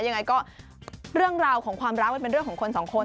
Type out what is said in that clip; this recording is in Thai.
ยังไงก็เรื่องราวของความรักมันเป็นเรื่องของคนสองคน